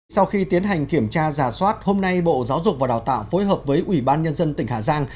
sau khi tiến hành kiểm tra giả soát hôm nay bộ giáo dục và đào tạo phối hợp với ubnd tỉnh hà giang